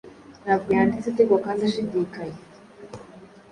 Ntabwo yanditse ategwa kandi ashidikanya,